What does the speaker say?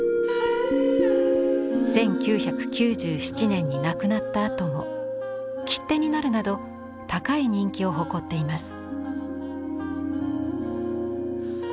１９９７年に亡くなったあとも切手になるなど高い人気を誇っています。